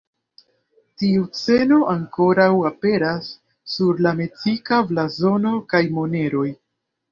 Tiu sceno ankoraŭ aperas sur la meksika blazono kaj moneroj.